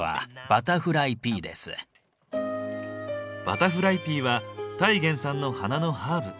バタフライピーはタイ原産の花のハーブ。